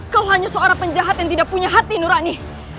kau hanya seorang penjahat yang tidak punya hati nurani